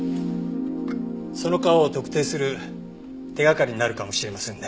その川を特定する手がかりになるかもしれませんね。